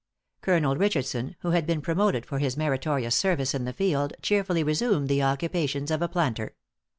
Colonel Richardson, who had been promoted for his meritorious service in the field, cheerfully resumed the occupations of a planter.